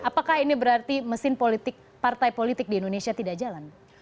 apakah ini berarti mesin politik partai politik di indonesia tidak jalan